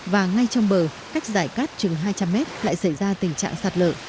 và ngay trong bờ cách dải cát chừng hai trăm linh mét lại xảy ra tình trạng sạt lở